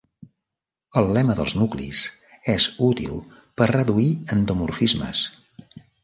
El lema dels nuclis és útil per reduir endomorfismes.